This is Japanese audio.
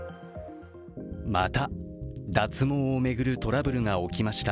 また脱毛を巡るトラブルが起きました。